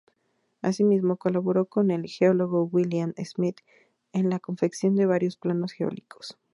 Asimismo, colaboró con el geólogo William Smith en la confección de varios planos geológicos.